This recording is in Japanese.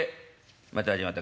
「また始まった。